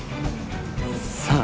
さあ。